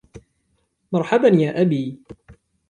مرحباً يا أبي.